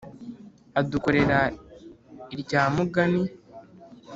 adukorera irya mugani